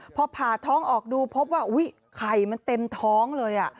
พอผ่าท้องออกดูพบว่าอุ๊ยไข่มันเต็มท้องเลย